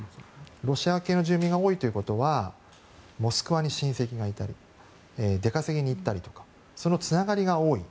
ロシア系の住民が多いということはモスクワに親戚がいたり出稼ぎに行ったりとかそのつながりが多い。